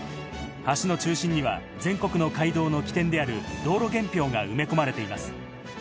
橋の中心には全国の街道の起点である道路元標が埋め込まれています。